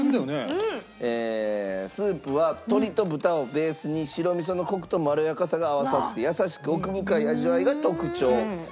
スープは鶏と豚をベースに白味噌のコクとまろやかさが合わさって優しく奥深い味わいが特徴。